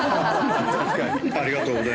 ありがとうございます。